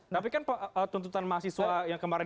tapi kan tuntutan mahasiswa yang kemarin